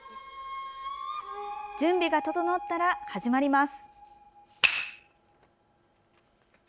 準備が整ったら、始まります。